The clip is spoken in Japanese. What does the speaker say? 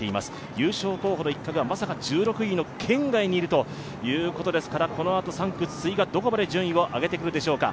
優勝候補の一角はまさか１６位の圏外にいるということですからこのあと３区、筒井がどこまで順位を上げてくるでしょうか。